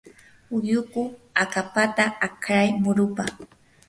ulluku akapata akray murupa.